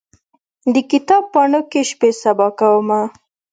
د کتاب پاڼو کې شپې سبا کومه